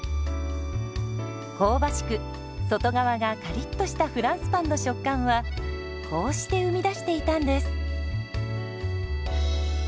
香ばしく外側がカリッとしたフランスパンの食感はこうして生み出していたんです。